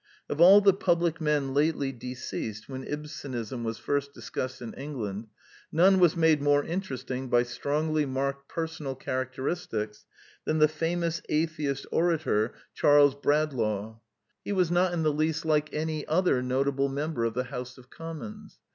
Of all the public men lately deceased when Ibsenism was first discussed in England, none was made more interesting by strongly marked personal char acteristics than the famous atheist orator Charles I 1 86 The Quintessence of Ibsenism Bradlaugh. He was not in the least like any other notable member of the House of Commons.